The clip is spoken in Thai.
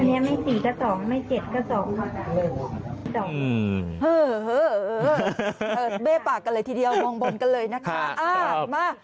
เออเบ้ปากกันเลยทีเดียวมองบนกันเลยนะค่ะ